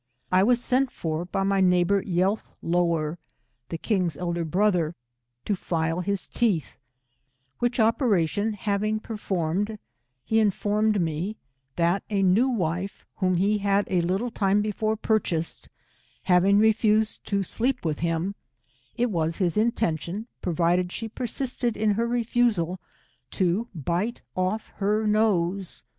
I was sent for by my neighbour Yealthlower^ the king's elder brother, to file his teeth, which operation having performed, he in formed me, that a new wife, whom he had a little time before purchased, having refused to skep with him, it was his intention, provided she persisted in her refusal, to bite oflF her nose.